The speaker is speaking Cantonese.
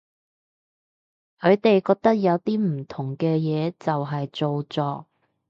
佢哋覺得用啲唔同嘅嘢就係造作